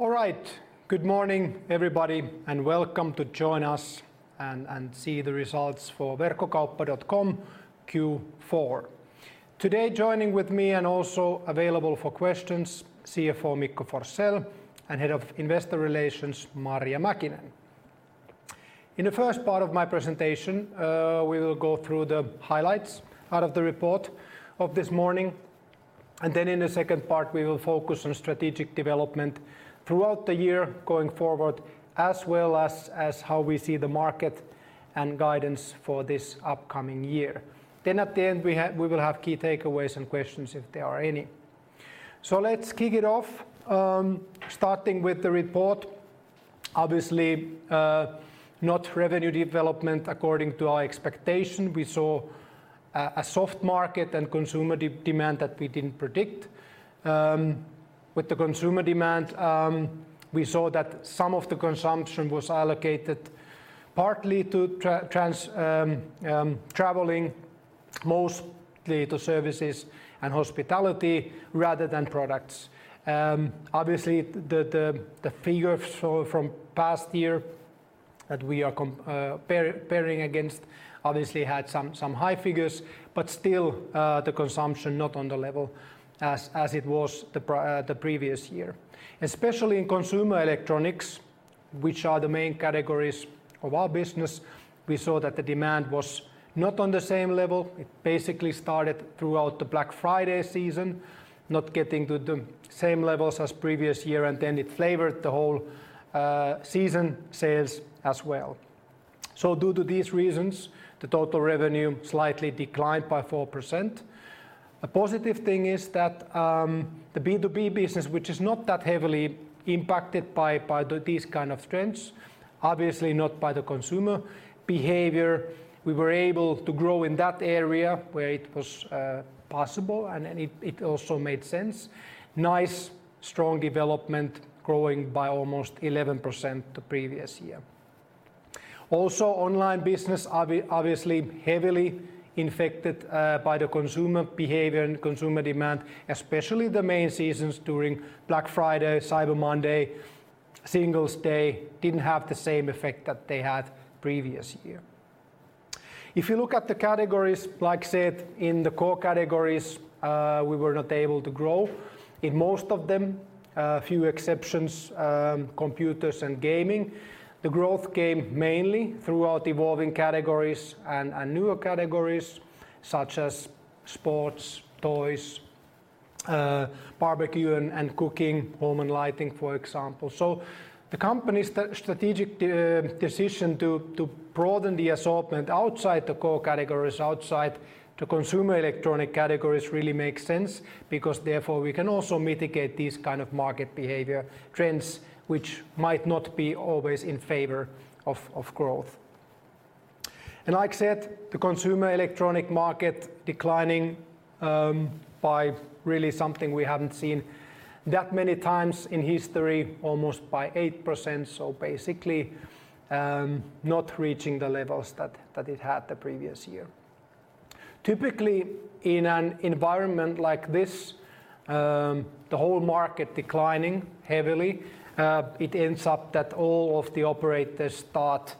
All right. Good morning, everybody, and Welcome to join us and see the Results for Verkkokauppa.com Q4. Today, joining with me and also available for questions, CFO Mikko Forsell and Head of Investor Relations Marja Mäkinen. In the first part of my presentation, we will go through the highlights out of the report of this morning, and then in the second part we will focus on strategic development throughout the year going forward, as well as how we see the market and guidance for this upcoming year. At the end, we will have key takeaways and questions if there are any. Let's kick it off, starting with the report, obviously, not revenue development according to our expectation. We saw a soft market and consumer demand that we didn't predict. With the consumer demand, we saw that some of the consumption was allocated partly to traveling, mostly to services and hospitality rather than products. Obviously, the figures from past year that we are comparing against obviously had some high figures, but still, the consumption not on the level as it was the previous year. Especially in consumer electronics, which are the main categories of our business, we saw that the demand was not on the same level. It basically started throughout the Black Friday season, not getting to the same levels as previous year, and then it flavored the whole season sales as well. Due to these reasons, the total revenue slightly declined by 4%. A positive thing is that the B2B business, which is not that heavily impacted by these kind of trends, obviously not by the consumer behavior, we were able to grow in that area where it was possible and it also made sense. Nice strong development growing by almost 11% the previous year. Also online business obviously heavily affected by the consumer behavior and consumer demand, especially the main seasons during Black Friday, Cyber Monday, Singles Day didn't have the same effect that they had previous year. If you look at the categories, like I said, in the core categories, we were not able to grow in most of them. A few exceptions, computers and gaming. The growth came mainly throughout evolving categories and newer categories such as sports, toys, barbecue and cooking, home and lighting, for example. The company's strategic decision to broaden the assortment outside the core categories, outside the consumer electronics categories really makes sense because therefore we can also mitigate these kind of market behavior trends, which might not always be in favor of growth. Like I said, the consumer electronics market declining by really something we haven't seen that many times in history, almost by 8%, basically not reaching the levels that it had the previous year. Typically, in an environment like this, the whole market declining heavily, it ends up that all of the operators start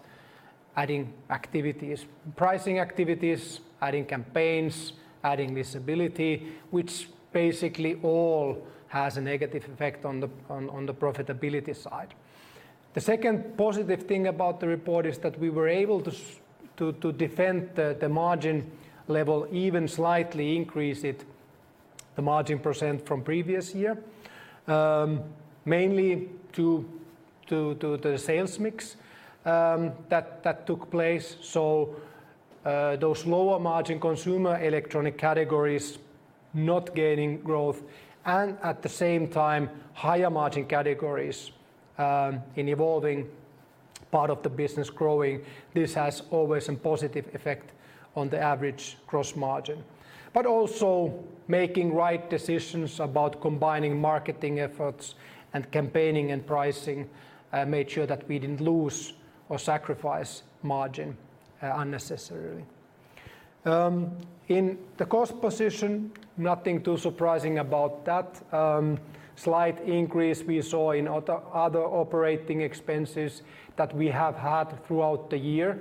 adding activities, pricing activities, adding campaigns, adding visibility, which basically all has a negative effect on the profitability side. The second positive thing about the report is that we were able to defend the margin level, even slightly increase it, the margin percent from previous year, mainly due to the sales mix that took place. Those lower margin consumer electronics categories not gaining growth and at the same time higher margin categories in evolving part of the business growing, this has always a positive effect on the average gross margin. Also making right decisions about combining marketing efforts and campaigning and pricing, made sure that we didn't lose or sacrifice margin, unnecessarily. In the cost position, nothing too surprising about that. Slight increase we saw in other operating expenses that we have had throughout the year.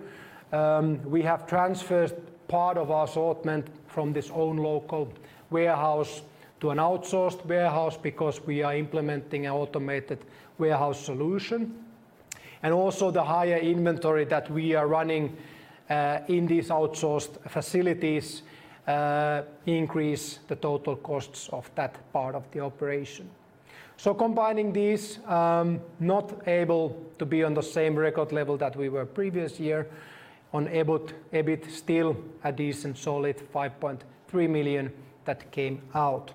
We have transferred part of our assortment from this own local warehouse to an outsourced warehouse because we are implementing an automated warehouse solution. Also the higher inventory that we are running in these outsourced facilities increase the total costs of that part of the operation. Combining these, not able to be on the same record level that we were previous year on EBIT. EBIT still a decent solid 5.3 million that came out.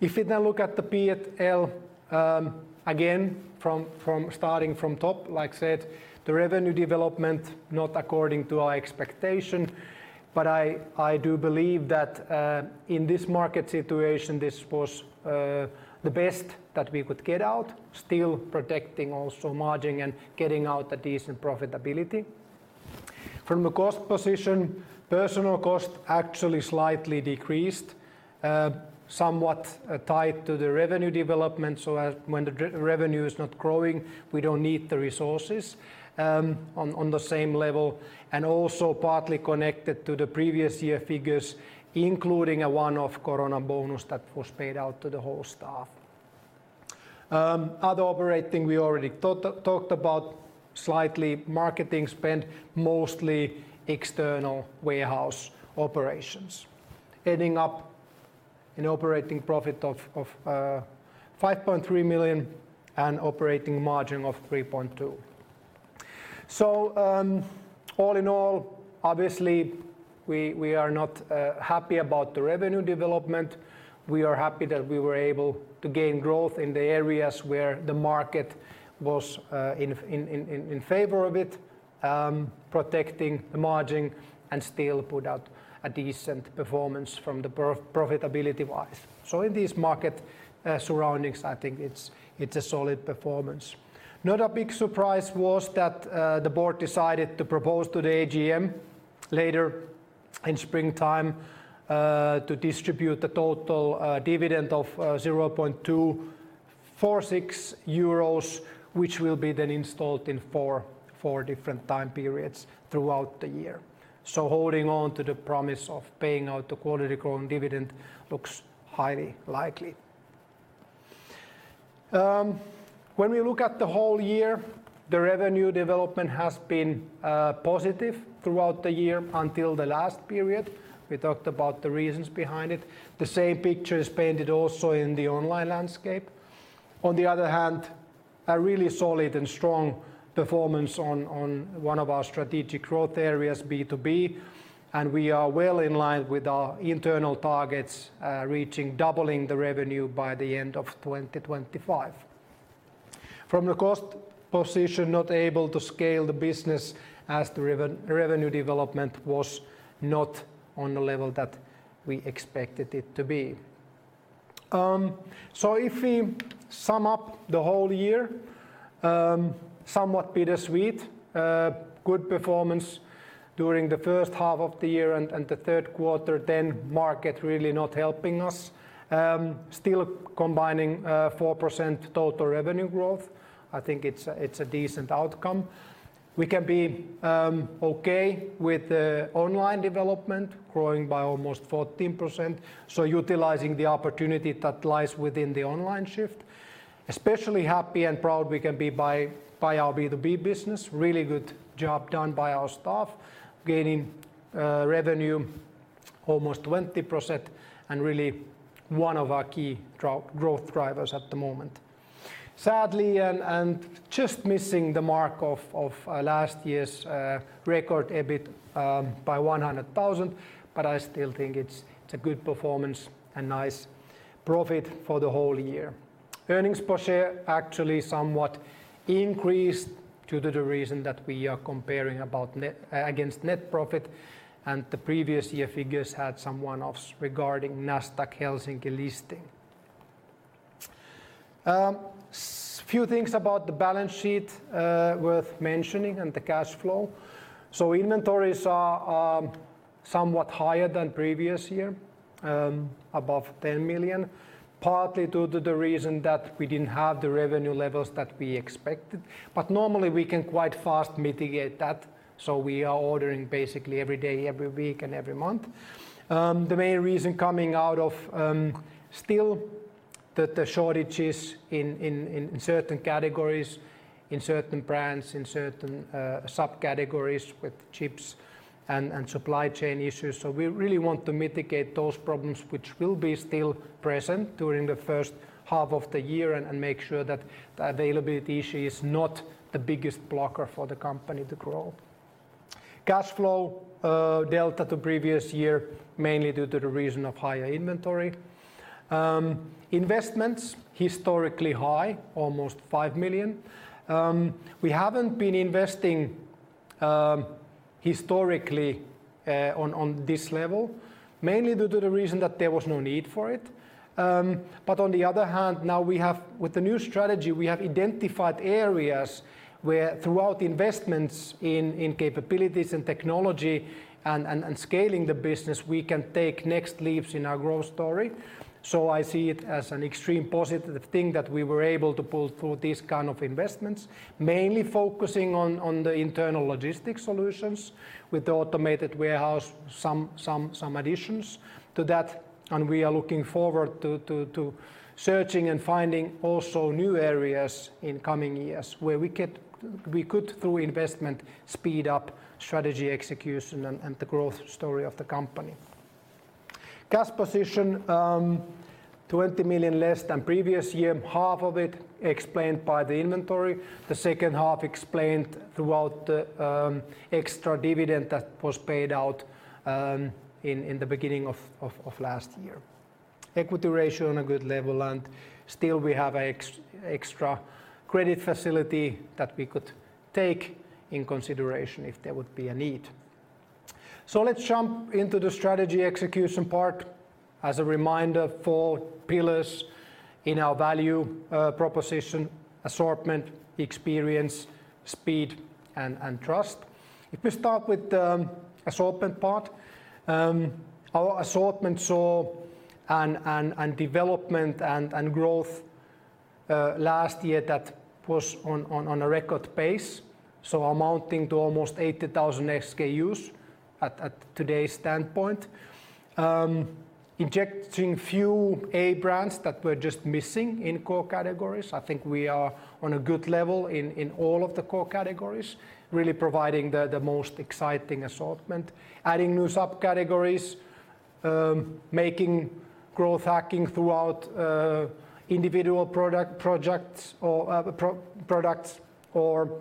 If you now look at the P&L, again from starting from top, like I said, the revenue development not according to our expectation, but I do believe that in this market situation, this was the best that we could get out, still protecting also margin and getting out a decent profitability. From the cost position, personal cost actually slightly decreased, somewhat tied to the revenue development, so as when the revenue is not growing, we don't need the resources on the same level. Also partly connected to the previous year figures, including a one-off corona bonus that was paid out to the whole staff. Other operating, we already talked about slightly marketing spend, mostly external warehouse operations. Ending up an operating profit of 5.3 million and operating margin of 3.2%. All in all, obviously, we are not happy about the revenue development. We are happy that we were able to gain growth in the areas where the market was in favor of it, protecting the margin and still put out a decent performance from the profitability-wise. In these market surroundings, I think it's a solid performance. Not a big surprise was that the board decided to propose to the AGM later in springtime to distribute a total dividend of 0.246 euros, which will be then paid in four installments throughout the year. Holding on to the promise of paying out the quality growing dividend looks highly likely. When we look at the whole year, the revenue development has been positive throughout the year until the last period. We talked about the reasons behind it. The same picture is painted also in the online landscape. On the other hand, a really solid and strong performance on one of our strategic growth areas, B2B, and we are well in line with our internal targets, reaching doubling the revenue by the end of 2025. From the cost position, not able to scale the business as the revenue development was not on the level that we expected it to be. If we sum up the whole year, somewhat bittersweet, good performance during the first half of the year and the third quarter, then market really not helping us. Still combining 4% total revenue growth. I think it's a decent outcome. We can be okay with the online development growing by almost 14%, so utilizing the opportunity that lies within the online shift. Especially happy and proud we can be by our B2B business. Really good job done by our staff gaining revenue almost 20% and really one of our key growth drivers at the moment. Sadly and just missing the mark of last year's record EBIT by 100,000, but I still think it's a good performance and nice profit for the whole year. Earnings per share actually somewhat increased due to the reason that we are comparing against net profit and the previous year figures had some one-offs regarding Nasdaq Helsinki listing. A few things about the balance sheet worth mentioning and the cash flow. Inventories are somewhat higher than previous year, above 10 million, partly due to the reason that we didn't have the revenue levels that we expected. Normally, we can quite fast mitigate that, so we are ordering basically every day, every week, and every month. The main reason coming out of still the shortages in certain categories, in certain brands, in certain subcategories with chips and supply chain issues. We really want to mitigate those problems which will be still present during the first half of the year and make sure that the availability issue is not the biggest blocker for the company to grow. Cash flow delta to previous year, mainly due to the reason of higher inventory. Investments historically high, almost 5 million. We haven't been investing, historically, on this level, mainly due to the reason that there was no need for it. On the other hand, now we have with the new strategy, we have identified areas where through investments in capabilities and technology and scaling the business, we can take next leaps in our growth story. I see it as an extreme positive thing that we were able to pull through these kind of investments, mainly focusing on the internal logistics solutions with the automated warehouse, some additions to that. We are looking forward to searching and finding also new areas in coming years where we could, through investment, speed up strategy execution and the growth story of the company. Cash position 20 million less than previous year, half of it explained by the inventory. The second half explained by the extra dividend that was paid out in the beginning of last year. Equity ratio on a good level, and still we have extra credit facility that we could take into consideration if there would be a need. Let's jump into the strategy execution part. As a reminder, four pillars in our value proposition: assortment, experience, speed, and trust. If we start with the assortment part, our assortment saw a development and growth last year that was on a record pace, so amounting to almost 80,000 SKUs at today's standpoint. Injecting few A brands that were just missing in core categories. I think we are on a good level in all of the core categories, really providing the most exciting assortment. Adding new subcategories, making growth hacking throughout individual product projects or products, or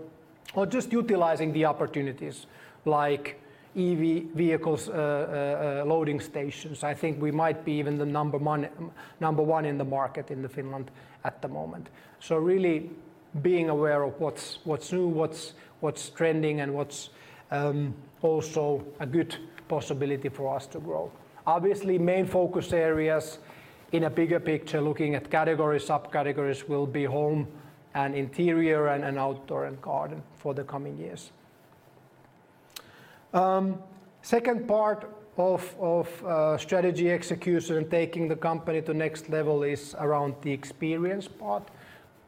just utilizing the opportunities like EV vehicles, loading stations. I think we might be even the number one in the market in Finland at the moment. Really being aware of what's new, what's trending, and what's also a good possibility for us to grow. Obviously, main focus areas in a bigger picture, looking at categories, subcategories will be home and interior and outdoor and garden for the coming years. Second part of strategy execution and taking the company to next level is around the experience part.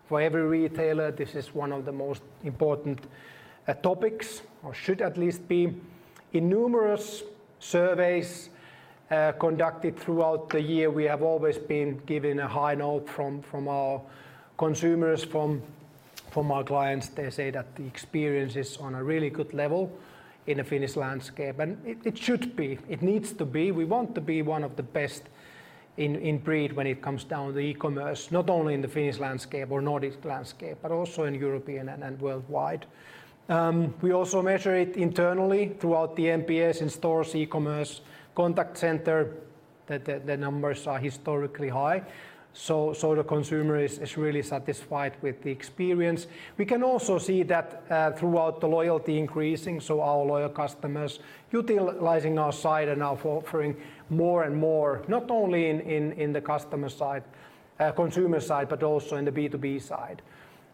For every retailer, this is one of the most important topics, or should at least be. In numerous surveys conducted throughout the year, we have always been given a high note from our consumers, from our clients. They say that the experience is on a really good level in the Finnish landscape. It should be. It needs to be. We want to be one of the best in breed when it comes down to e-commerce, not only in the Finnish landscape or Nordic landscape, but also in European and worldwide. We also measure it internally throughout the NPS, in stores, e-commerce, contact center. The numbers are historically high. The consumer is really satisfied with the experience. We can also see that, throughout the loyalty increasing, so our loyal customers utilizing our site and offering more and more, not only in the customer side, consumer side, but also in the B2B side.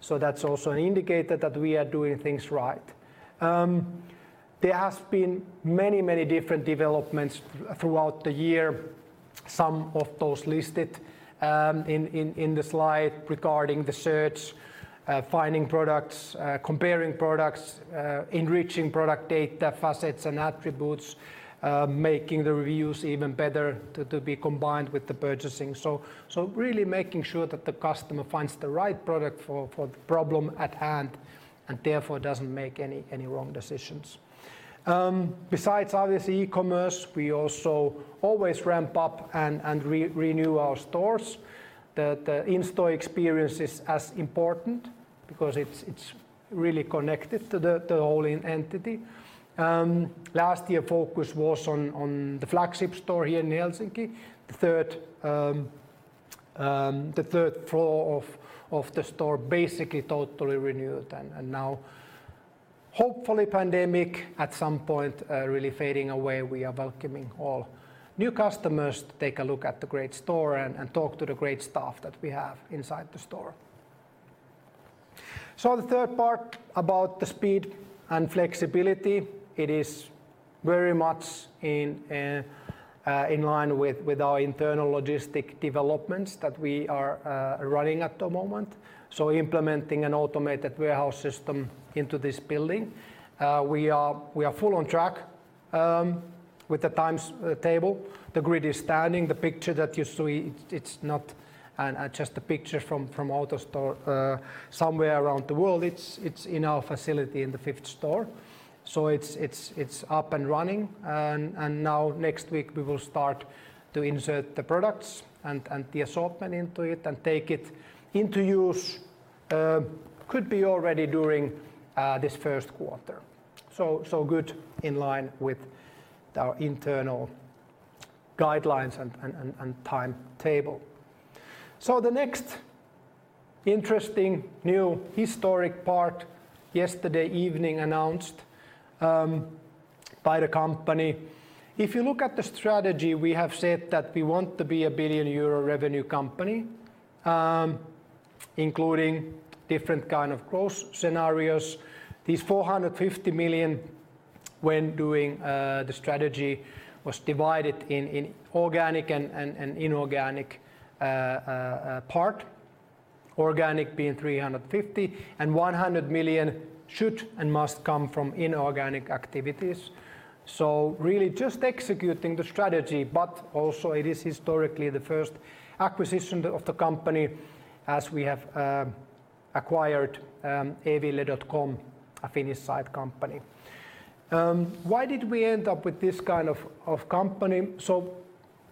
That's also an indicator that we are doing things right. There has been many different developments throughout the year, some of those listed, in the slide regarding the search, finding products, comparing products, enriching product data, facets and attributes, making the reviews even better to be combined with the purchasing. Really making sure that the customer finds the right product for the problem at hand, and therefore doesn't make any wrong decisions. Besides obviously e-commerce, we also always ramp up and re-renew our stores. The in-store experience is as important because it's really connected to the whole entity. Last year, focus was on the flagship store here in Helsinki. The third floor of the store basically totally renewed. Now, hopefully, the pandemic at some point really fading away. We are welcoming all new customers to take a look at the great store and talk to the great staff that we have inside the store. The third part about the speed and flexibility, it is very much in line with our internal logistics developments that we are running at the moment, implementing an automated warehouse system into this building. We are fully on track with the timetable. The grid is standing. The picture that you see, it's not just a picture from other store somewhere around the world. It's in our facility in the fifth store. It's up and running. Now next week, we will start to insert the products and the assortment into it and take it into use. Could be already during this first quarter. Good in line with our internal guidelines and timetable. The next interesting new historic part yesterday evening announced by the company. If you look at the strategy, we have said that we want to be a 1 billion euro revenue company, including different kind of growth scenarios. These 450 million when doing the strategy was divided in organic and inorganic part. Organic being 350 million and 100 million should and must come from inorganic activities. Really just executing the strategy, but also it is historically the first acquisition of the company as we have acquired e-ville.com, a Finnish site company. Why did we end up with this kind of company?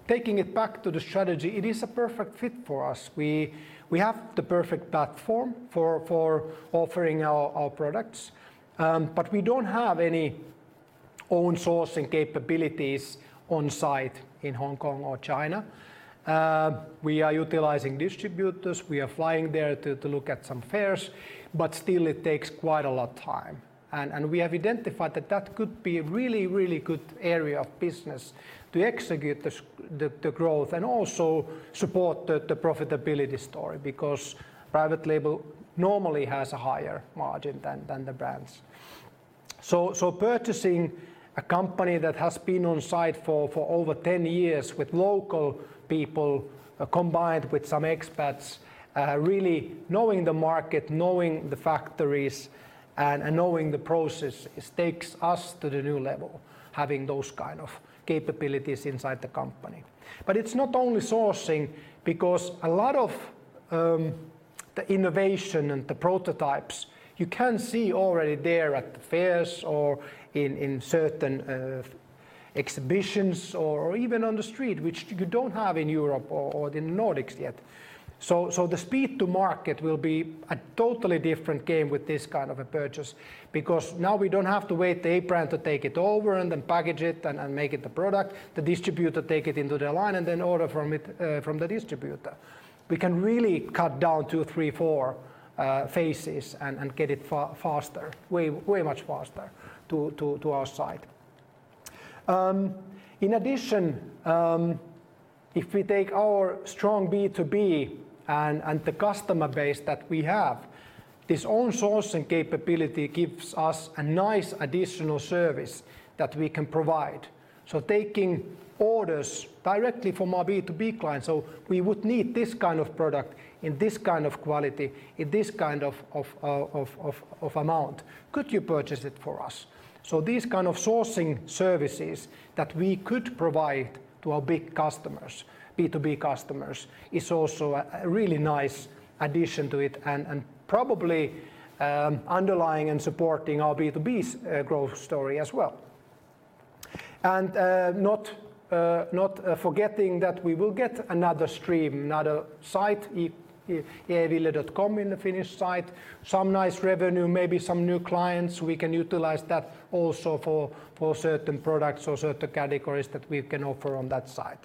Taking it back to the strategy, it is a perfect fit for us. We have the perfect platform for offering our products, but we don't have any own sourcing capabilities on site in Hong Kong or China. We are utilizing distributors. We are flying there to look at some fairs, but still it takes quite a lot time. We have identified that could be really good area of business to execute the growth and also support the profitability story because private label normally has a higher margin than the brands. Purchasing a company that has been on site for over 10 years with local people combined with some expats really knowing the market, knowing the factories, and knowing the process, it takes us to the new level, having those kind of capabilities inside the company. It's not only sourcing because a lot of the innovation and the prototypes you can see already there at the fairs or in certain exhibitions or even on the street, which you don't have in Europe or in the Nordics yet. The speed to market will be a totally different game with this kind of a purchase because now we don't have to wait the brand to take it over and then package it and make it a product. The distributor take it into their line and then order from it, from the distributor. We can really cut down 2, 3, 4 phases and get it faster, way much faster to our side. In addition, if we take our strong B2B and the customer base that we have, this own sourcing capability gives us a nice additional service that we can provide. Taking orders directly from our B2B clients, so we would need this kind of product in this kind of quality, in this kind of amount. Could you purchase it for us? These kind of sourcing services that we could provide to our big customers, B2B customers, is also a really nice addition to it and probably underlying and supporting our B2B's growth story as well. Not forgetting that we will get another stream, another site, e-ville.com in the Finnish site, some nice revenue, maybe some new clients we can utilize that also for certain products or certain categories that we can offer on that site.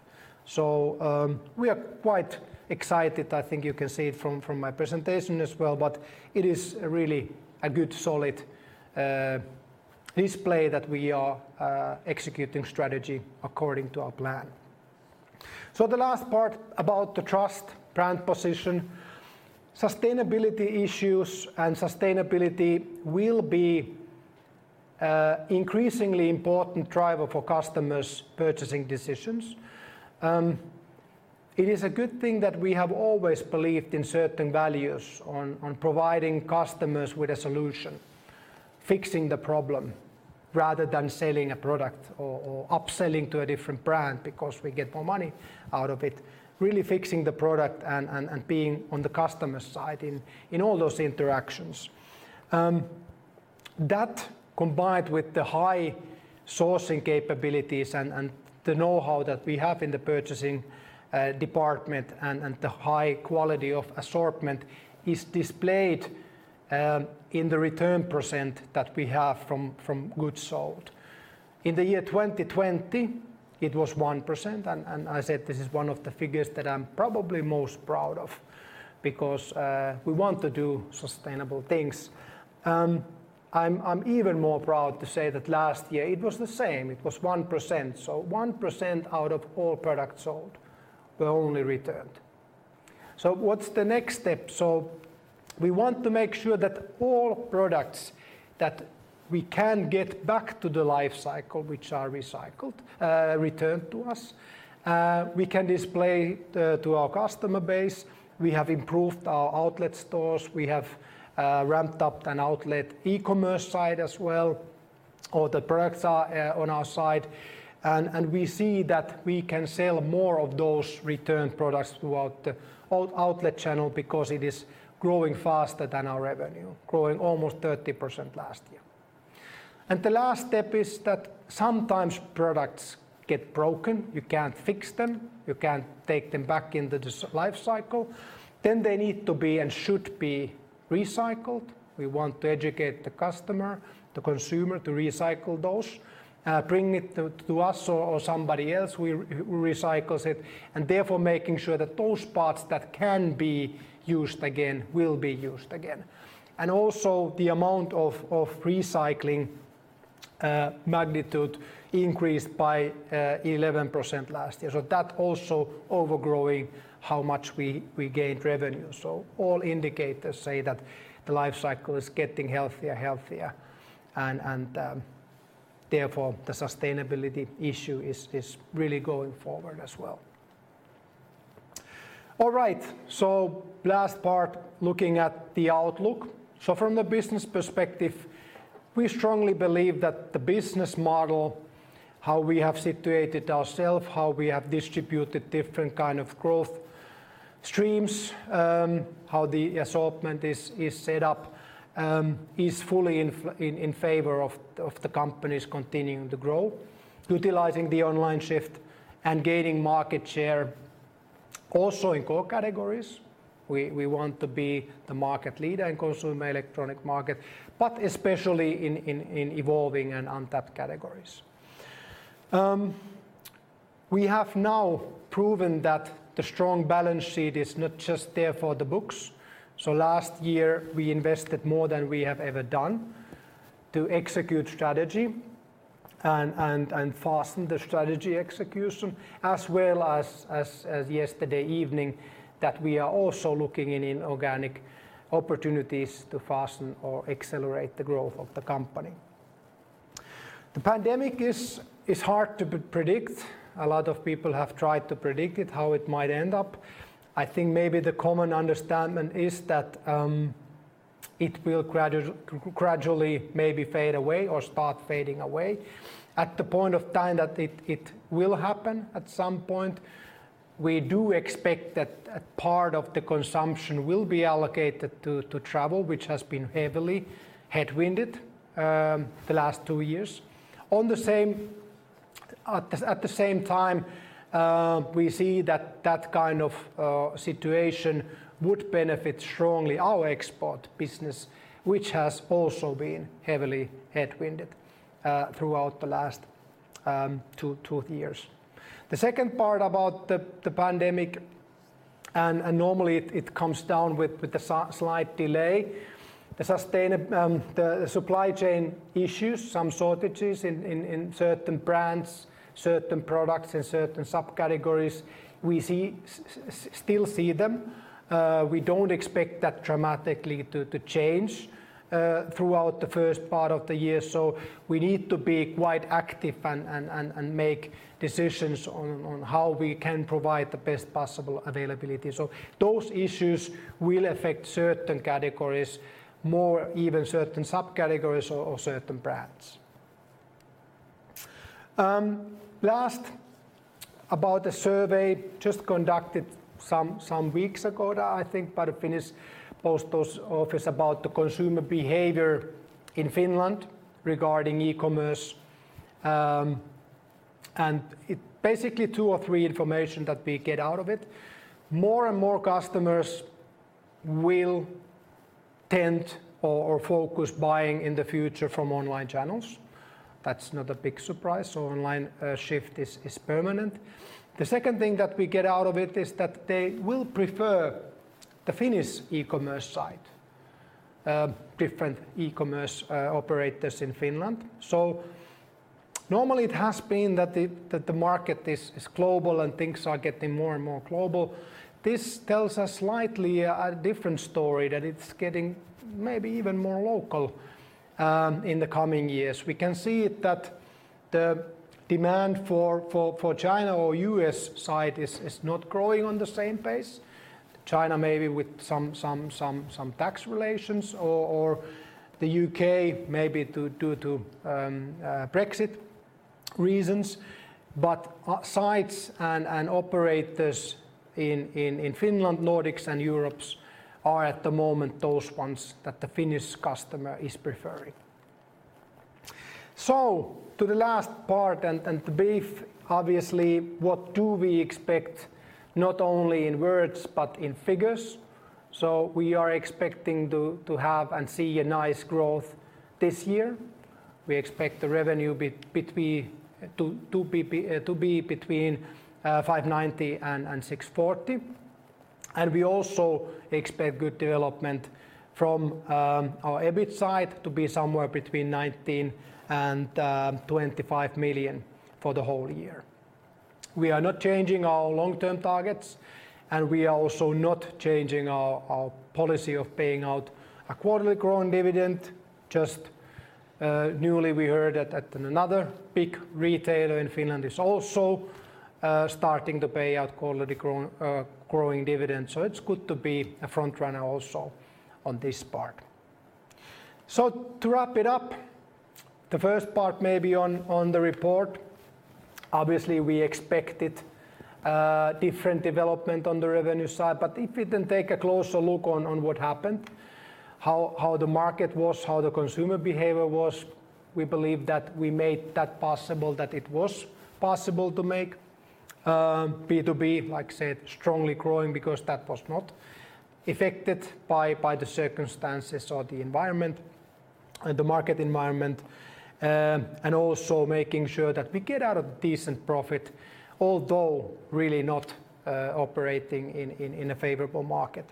We are quite excited. I think you can see it from my presentation as well, but it is really a good solid display that we are executing strategy according to our plan. The last part about the trust brand position, sustainability issues and sustainability will be increasingly important driver for customers' purchasing decisions. It is a good thing that we have always believed in certain values on providing customers with a solution, fixing the problem rather than selling a product or upselling to a different brand because we get more money out of it, really fixing the product and being on the customer's side in all those interactions. That combined with the high sourcing capabilities and the know-how that we have in the purchasing department and the high quality of assortment is displayed in the return percent that we have from goods sold. In the year 2020, it was 1%, and I said this is one of the figures that I'm probably most proud of because we want to do sustainable things. I'm even more proud to say that last year it was the same. It was 1%. 1% out of all products sold were only returned. What's the next step? We want to make sure that all products that we can get back to the life cycle, which are recycled, returned to us, we can display the, to our customer base. We have improved our outlet stores. We have ramped up an outlet e-commerce site as well, all the products are on our site and we see that we can sell more of those returned products throughout the outlet channel because it is growing faster than our revenue, growing almost 30% last year. The last step is that sometimes products get broken. You can't fix them. You can't take them back into the life cycle. They need to be and should be recycled. We want to educate the customer, the consumer, to recycle those, bring it to us or somebody else who recycles it, and therefore making sure that those parts that can be used again will be used again. The amount of recycling magnitude increased by 11% last year. That also outgrowing how much we gained revenue. All indicators say that the life cycle is getting healthier and healthier, therefore the sustainability issue is really going forward as well. All right, last part looking at the outlook. From the business perspective, we strongly believe that the business model, how we have situated ourselves, how we have distributed different kind of growth streams, how the assortment is set up, is fully in favor of the company's continuing to grow, utilizing the online shift and gaining market share. Also in core categories, we want to be the market leader in consumer electronics market, but especially in evolving and untapped categories. We have now proven that the strong balance sheet is not just there for the books. Last year, we invested more than we have ever done to execute strategy and hasten the strategy execution as well as yesterday evening that we are also looking into inorganic opportunities to hasten or accelerate the growth of the company. The pandemic is hard to predict. A lot of people have tried to predict it, how it might end up. I think maybe the common understanding is that it will gradually maybe fade away or start fading away. At the point of time that it will happen at some point, we do expect that a part of the consumption will be allocated to travel, which has been heavily headwinded the last two years. At the same time, we see that that kind of situation would benefit strongly our export business, which has also been heavily headwinded throughout the last two years. The second part about the pandemic, and normally it comes down with a so slight delay, the supply chain issues, some shortages in certain brands, certain products and certain subcategories. We still see them. We don't expect that dramatically to change throughout the first part of the year. We need to be quite active and make decisions on how we can provide the best possible availability. Those issues will affect certain categories more, even certain subcategories or certain brands. Lastly, about a survey just conducted some weeks ago, I think, by Posti about the consumer behavior in Finland regarding e-commerce. It basically two or three information that we get out of it. More and more customers will tend to focus buying in the future from online channels. That's not a big surprise. Online shift is permanent. The second thing that we get out of it is that they will prefer the Finnish e-commerce site, different e-commerce operators in Finland. Normally it has been that the market is global and things are getting more and more global. This tells us slightly a different story that it's getting maybe even more local in the coming years. We can see it that the demand for China or U.S. site is not growing on the same pace. China maybe with some tax relations or the U.K. maybe due to Brexit reasons. Sites and operators in Finland, Nordics and Europe are at the moment those ones that the Finnish customer is preferring. To the last part and the brief, obviously, what do we expect not only in words but in figures? We are expecting to have and see a nice growth this year. We expect the revenue to be between 590 million and 640 million. We also expect good development from our EBIT side to be somewhere between 19 million and 25 million for the whole year. We are not changing our long-term targets, and we are also not changing our policy of paying out a quarterly growing dividend. Just newly we heard that another big retailer in Finland is also starting to pay out quarterly growing dividends. It's good to be a front runner also on this part. To wrap it up, the first part maybe on the report, obviously we expected different development on the revenue side. If we then take a closer look on what happened, how the market was, how the consumer behavior was, we believe that we made that possible, that it was possible to make B2B, like I said, strongly growing because that was not affected by the circumstances or the environment and the market environment and also making sure that we get out a decent profit although really not operating in a favorable market.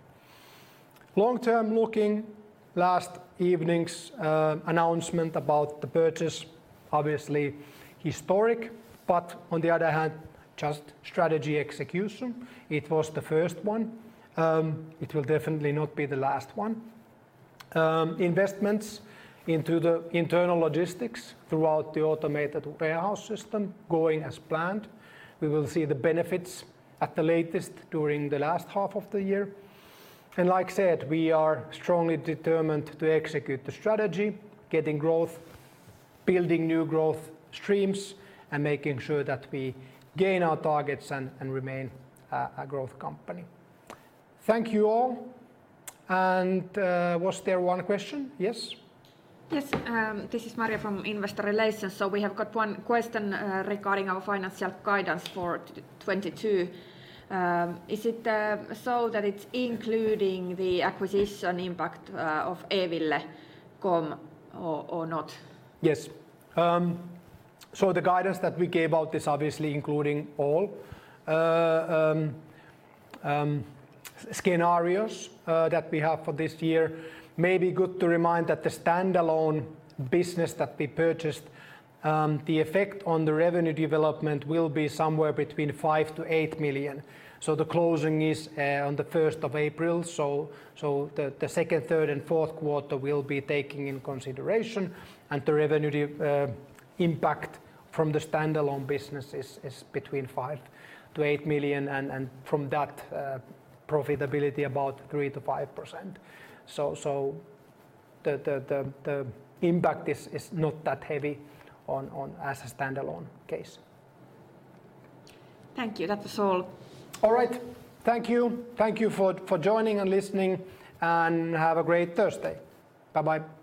Long term looking, last evening's announcement about the purchase obviously historic, but on the other hand just strategy execution. It was the first one. It will definitely not be the last one. Investments into the internal logistics throughout the automated warehouse system going as planned. We will see the benefits at the latest during the last half of the year. Like I said, we are strongly determined to execute the strategy, getting growth, building new growth streams, and making sure that we gain our targets and remain a growth company. Thank you all. Was there one question? Yes. Yes. This is Marja Mäkinen from Investor Relations. We have got one question regarding our financial guidance for 2022. Is it so that it's including the acquisition impact of e-ville.com or not? Yes. The guidance that we gave out is obviously including all scenarios that we have for this year. Maybe good to remind that the standalone business that we purchased, the effect on the revenue development will be somewhere between 5-8 million. The closing is on the first of April. The second, third and fourth quarter will be taking in consideration and the revenue impact from the standalone business is between 5-8 million and from that, profitability about 3%-5%. The impact is not that heavy on as a standalone case. Thank you. That was all. All right. Thank you. Thank you for joining and listening, and have a great Thursday. Bye-bye.